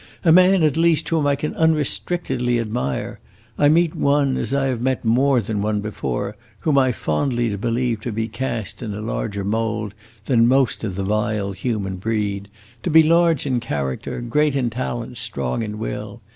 "A man, at least, whom I can unrestrictedly admire. I meet one, as I have met more than one before, whom I fondly believe to be cast in a larger mould than most of the vile human breed, to be large in character, great in talent, strong in will!